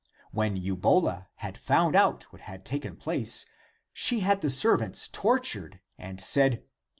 When Eubola had found out what had taken place, she had the serv ants tortured, and said.